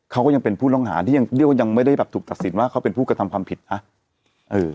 เขาก็ยังเป็นผู้ต้องหาที่ยังเรียกว่ายังไม่ได้แบบถูกตัดสินว่าเขาเป็นผู้กระทำความผิดอ่ะเออ